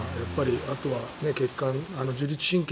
あとは血管、自律神経